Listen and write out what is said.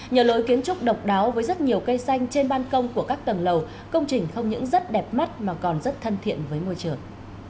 nhờ lối kiến trúc độc đáo với rất nhiều cây xanh trên ban công của các tầng lầu công trình không những rất đẹp mắt mà còn rất thân thiện với môi trường